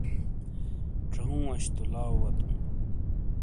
ژاوہوں اش تو لاؤ واتو